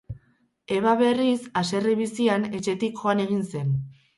Eva, berriz, haserre bizian, etxetik joan egin zen.